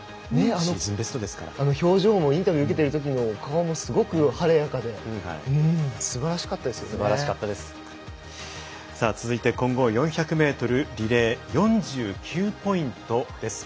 表情もインタビュー受けている時の顔もすごく晴れやかで続いて混合４００ｍリレー４９ポイントです。